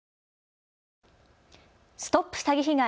ＳＴＯＰ詐欺被害！